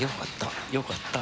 よかった。